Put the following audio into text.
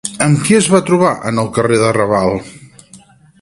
Amb qui es van trobar en el carrer de Raval?